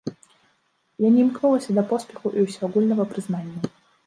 Я не імкнуся да поспеху і ўсеагульнага прызнання.